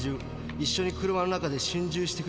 一緒に車の中で心中してくれる人」